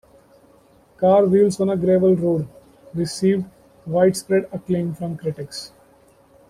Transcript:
"Car Wheels on a Gravel Road" received widespread acclaim from critics.